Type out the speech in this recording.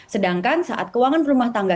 sedangkan saat keuangan rumah tangga